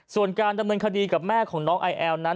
ส่วนการดำเนินคดีกับแม่ของน้องไอแอลนั้น